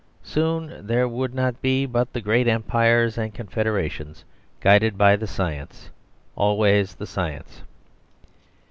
Soon there would not be but the great Empires and confederations, guided by the science, always the science.